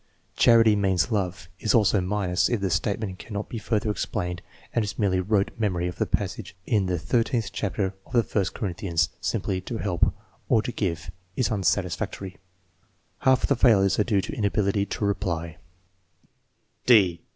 "Charity means love" is also minus if the statement can not be further explained and is merely rote memory of the passage in the 13th chapter of 1st Corinthians. Simply "To help" or "To give" is unsatisfactory. Half of the failures are due to inability to reply.